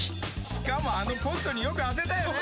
しかもあのポストによく当てたよね。